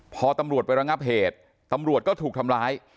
พอตำรวจไประงับเหตุตำรวจก็ถูกทำร้าย